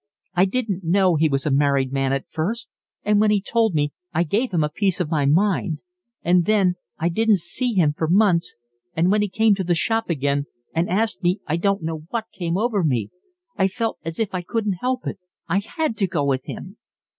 I didn't know he was a married man at first, and when he told me I gave him a piece of my mind. And then I didn't see him for months, and when he came to the shop again and asked me I don't know what came over me. I felt as if I couldn't help it. I had to go with him."